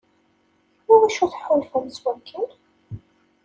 Iwacu tḥulfam s wakken?